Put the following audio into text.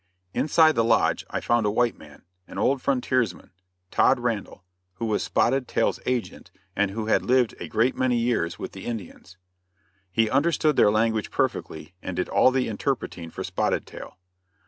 Inside the lodge I found a white man, an old frontiersman, Todd Randall, who was Spotted Tail's agent and who had lived a great many years with the Indians. He understood their language perfectly and did all the interpreting for Spotted Tail.